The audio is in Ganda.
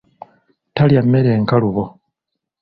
Talya mmere nkalubo.